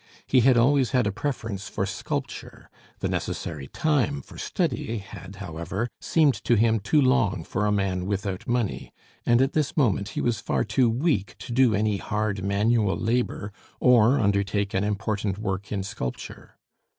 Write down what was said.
He had always had a preference for sculpture; the necessary time for study had, however, seemed to him too long for a man without money; and at this moment he was far too weak to do any hard manual labor or undertake an important work in sculpture.